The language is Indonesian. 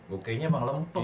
gue kayanya emang lempek ya